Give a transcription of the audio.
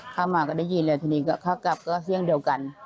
เข้ามาก็ได้ยินเลยทีนี้ก็เข้ากลับก็เสี่ยงเดียวกัน